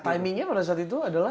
timingnya pada saat itu adalah